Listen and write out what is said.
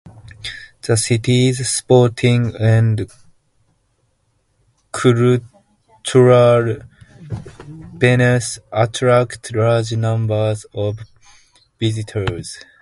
The city's sporting and cultural venues attract large numbers of visitors.